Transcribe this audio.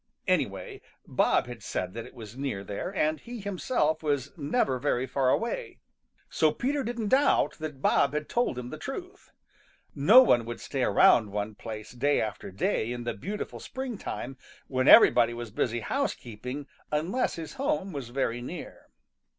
Anyway Bob had said that it was near there, and he himself was never very far away. So Peter didn't doubt that Bob had told him the truth. No one would stay around one place day after day in the beautiful springtime, when everybody was busy housekeeping, unless his home was very near.